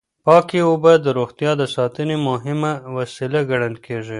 پاکې اوبه د روغتیا د ساتنې مهمه وسیله ګڼل کېږي.